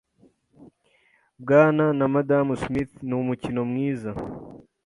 Bwana na Madamu Smith ni umukino mwiza.